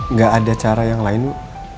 nggak ada cara yang lain bu